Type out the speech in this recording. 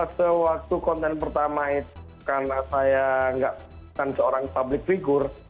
sewaktu konten pertama itu karena saya bukan seorang public figure